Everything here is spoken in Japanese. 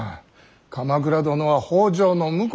鎌倉殿は北条の婿。